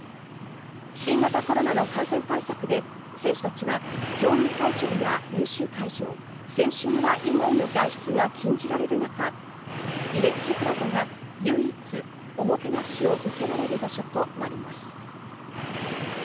新型コロナの感染対策で選手たちは、競技会場や練習会場、選手村以外の外出が禁じられる中、ビレッジプラザが唯一おもてなしを受けられる場所となります。